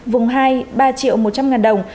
vùng hai ba triệu một trăm linh đồng